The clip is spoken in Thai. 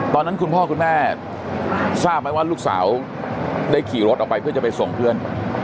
ตอนนั้นคุณพ่อคุณแม่ทราบไหมว่าลูกสาวได้ขี่รถออกไปเพื่อจะไปส่งเพื่อน